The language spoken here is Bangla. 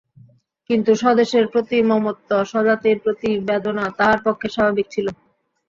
কিন্তু স্বদেশের প্রতি মমত্ব, স্বজাতির জন্য বেদনা তাহার পক্ষে স্বাভাবিক ছিল।